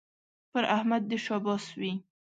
پر احمد دې شاباس وي